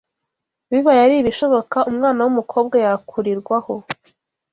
Bibaye ari ibishoboka, umwana w’umukobwa yakurirwaho